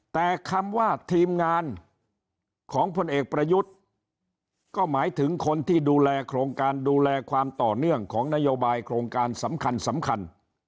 แต่คำว่าทีมงานของพลเอกประยุทธ์ก็หมายถึงคนที่ดูแลโครงการดูแลความต่อเนื่องของนโยบายโครงการสำคัญสำคัญ